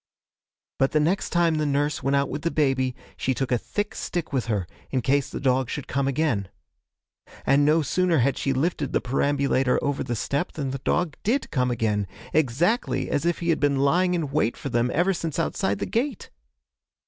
'But the next time the nurse went out with the baby she took a thick stick with her, in case the dog should come again. And no sooner had she lifted the perambulator over the step, than the dog did come again, exactly as if he had been lying in wait for them ever since outside the gate.